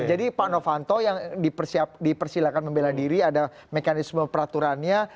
jadi pak novanto yang dipersilakan membela diri ada mekanisme peraturannya